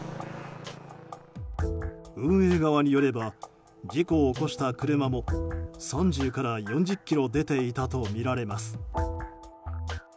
運営側によれば事故を起こした車も３０から４０キロ出ていたとみられます。